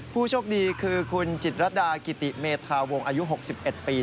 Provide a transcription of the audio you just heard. ผู้โชคดีคือคุณจิตรดากิติเมธาวงอายุ๖๑ปี